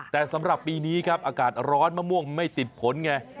แต่สำหรับปีนี้ครับอากาศร้อนมะม่วงไม่ติดผลไง